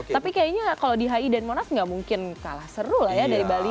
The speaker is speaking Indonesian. tapi kayaknya kalau di hi dan monas nggak mungkin kalah seru lah ya dari bali